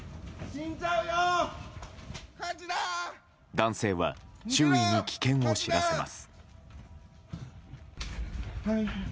男性は周囲に危険を知らせます。